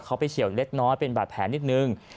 เขาไปเฉียวเล็กน้อยเป็นบาดแผลนิดนึง